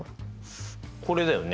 これだよね。